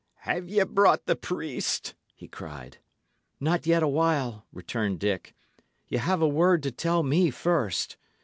"Have ye brought the priest?" he cried. "Not yet awhile," returned Dick. "Y' 'ave a word to tell me first.